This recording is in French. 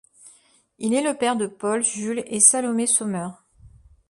Il est le père de Paul, Jules et Salomé Sommer.